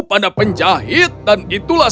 pada penjahit dan itulah